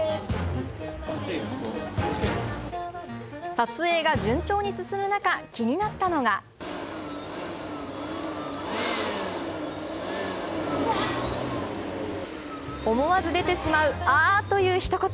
撮影が順調に進む中、気になったのが思わず出てしまうあというひと言。